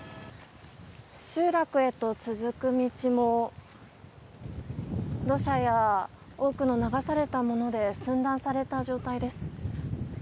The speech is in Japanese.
集落へと続く道も土砂や多くの流された物で寸断された状態です。